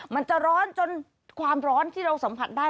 มันจะร้อนจนความร้อนที่เราสัมผัสได้